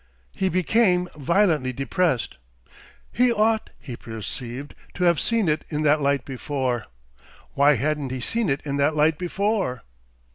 He became violently depressed. He ought, he perceived, to have seen it in that light before. Why hadn't he seen it in that light before?